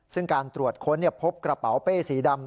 ซึ่งการตรวจค้นพบกระเป๋าเป้สีดำ